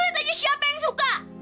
lo harus ditanya siapa yang suka